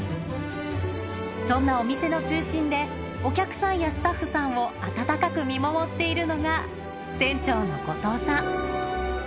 そんなお店の中心で、お客さんやスタッフさんを温かく見守っているのが、店長の後藤さん。